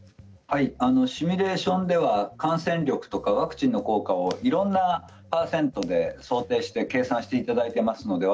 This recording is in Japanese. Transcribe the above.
シミュレーションでは感染力とかワクチンの効果をいろんな％で想定して計算していただいています。